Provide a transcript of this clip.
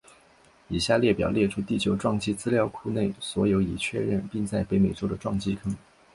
以下列表列出地球撞击资料库内所有已确认并在北美洲的撞击坑。